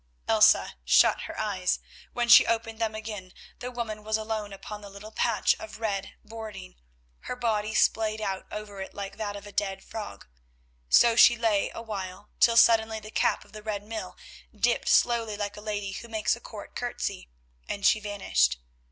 Elsa shut her eyes. When she opened them again the woman was alone upon the little patch of red boarding, her body splayed out over it like that of a dead frog. So she lay a while till suddenly the cap of the Red Mill dipped slowly like a lady who makes a Court curtsey, and she vanished.